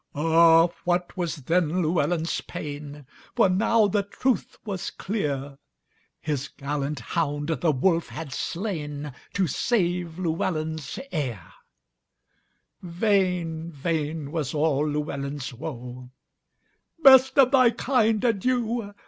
Ah, what was then Llewelyn's pain! For now the truth was clear; His gallant hound the wolf had slainTo save Llewelyn's heir:Vain, vain was all Llewelyn's woe;"Best of thy kind, adieu!